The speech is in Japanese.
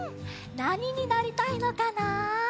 なにになりたいのかな？